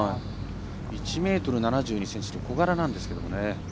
１ｍ７２ｃｍと小柄ですけどね。